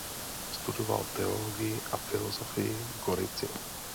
Studoval teologii a filozofii v Gorici.